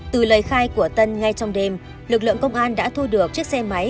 từ lời khai của tân ngay trong đêm lực lượng công an đã thu được chiếc xe máy